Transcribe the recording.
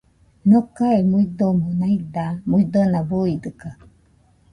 Nocae muidomo naida muidona, buidɨkaɨ